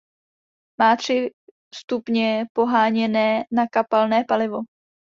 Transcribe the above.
Má tři stupně poháněné na kapalné palivo.